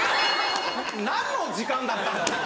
何の時間だったんだ？